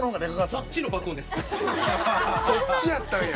そっちやったんや。